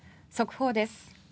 速報です。